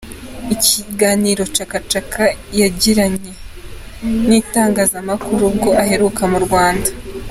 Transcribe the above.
Ikiganiro Chaka Chaka yagiranye n’itangazamakuru ubwo aheruka mu Rwanda.